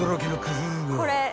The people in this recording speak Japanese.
これ。